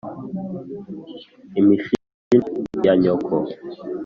imishino ya nyoko..